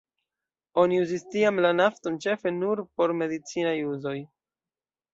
Oni uzis tiam la nafton ĉefe nur por medicinaj uzoj.